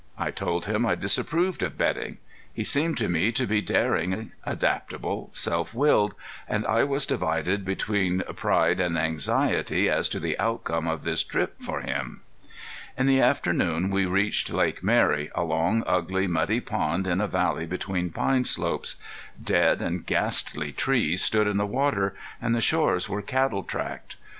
I told him I disapproved of betting. He seemed to me to be daring, adaptable, self willed; and I was divided between pride and anxiety as to the outcome of this trip for him. In the afternoon we reached Lake Mary, a long, ugly, muddy pond in a valley between pine slopes. Dead and ghastly trees stood in the water, and the shores were cattle tracked.